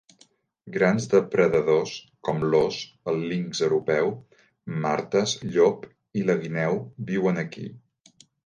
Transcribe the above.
Grans depredadors, com l'ós, el linx europeu, martes, llop i la guineu viuen aquí.